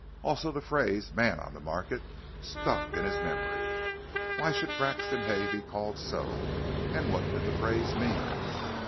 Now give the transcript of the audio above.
Also the phrase "Man on the Market" stuck in his memory. Why should Grexon Hay be called so, and what did the phrase mean?